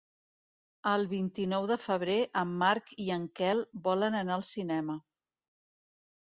El vint-i-nou de febrer en Marc i en Quel volen anar al cinema.